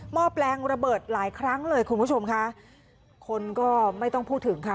้อแปลงระเบิดหลายครั้งเลยคุณผู้ชมค่ะคนก็ไม่ต้องพูดถึงค่ะ